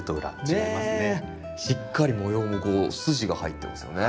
しっかり模様も筋が入ってますよね。